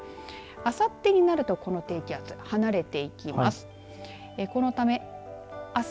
あさってになるとこの低気圧、離れていきます。